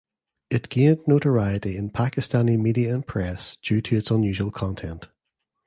It gained notoriety in Pakistani media and press due to its unusual content.